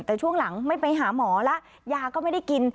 แต่ช่วงหลังไม่ไปหาหมอแล้วยาก็ไม่ได้กิน